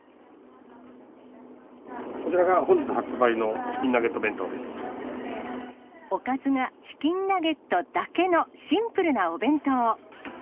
こちらが本日発売のチキンナおかずがチキンナゲットだけのシンプルなお弁当。